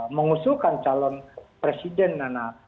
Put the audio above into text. mengusulkan calon presiden nana